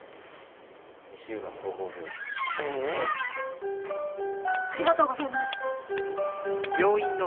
西浦総合病院。